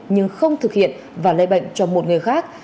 nhưng không thực hiện và lây bệnh cho một người khác